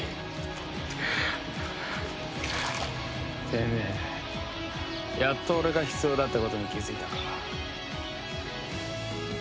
てめえやっと俺が必要だってことに気づいたか。